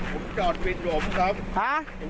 ผมจอดวิลอยู่ผมนะครับ